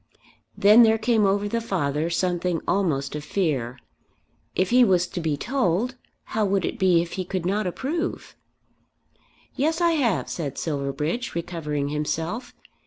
Then there came over the father something almost of fear. If he was to be told, how would it be if he could not approve? "Yes I have," said Silverbridge, recovering himself.